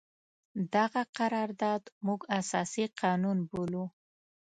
دغه قرارداد موږ اساسي قانون بولو.